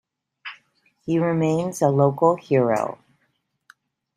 He remains a local hero.